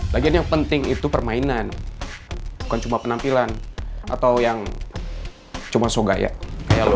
lagian yang penting itu permainan bukan cuma penampilan atau yang cuma soga ya